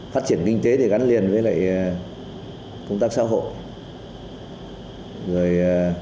phát triển kinh tế gắn liền với công tác xã hội